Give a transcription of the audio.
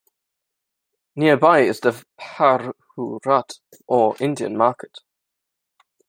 Nearby is the Phahurat or Indian market.